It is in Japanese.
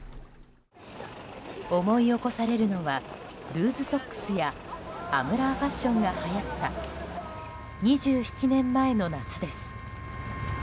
思い起こされるのはルーズソックスやアムラーファッションがはやった２７年前の夏です。